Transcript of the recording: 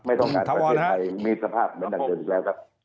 ไม่ต้องการประเทศไทยมีสภาพเหมือนดังเดิมอีกแล้วครับ